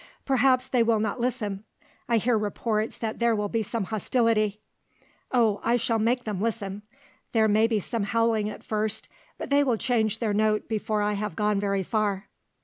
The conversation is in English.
"Perhaps they will not listen; I hear reports that there will be some hostility." "Oh, I shall make them listen. There may be some howling at first, but they will change their note before I have gone very far."